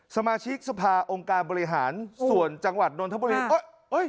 สมาชิกสภาโรงการบริหารส่วนจังหวัดนรทบุรีศาสตร์